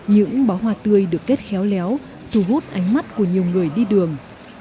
những bó hoa tươi được kết khéo léo thu hút ánh mắt của nhiều người đi đường